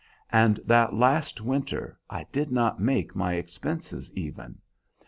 And that last winter I did not make my expenses, even.